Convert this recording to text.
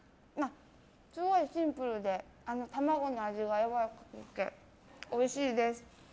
すごいシンプルで卵の味がやわらかくておいしいです。